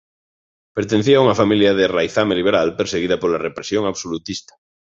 Pertencía a unha familia de raizame liberal perseguida pola represión absolutista.